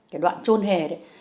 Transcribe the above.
cái đoạn trôn hề đấy